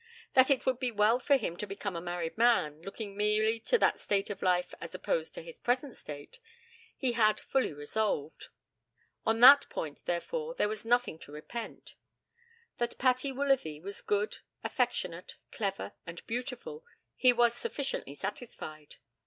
That it would be well for him to become a married man, looking merely to that state of life as opposed to his present state, he had fully resolved. On that point, therefore, there was nothing to repent. That Patty Woolsworthy was good, affectionate, clever, and beautiful, he was sufficiently satisfied.